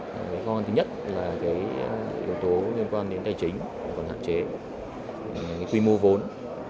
cái khó khăn thứ nhất là yếu tố liên quan đến tài chính còn hạn chế quy mô vốn